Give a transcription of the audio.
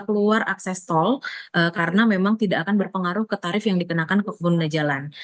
keluar akses tol karena memang tidak akan berpengaruh ke tarif yang dikenakan ke pengguna jalan